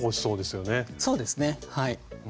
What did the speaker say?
そうですねはい。